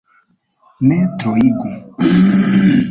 Ne troigu.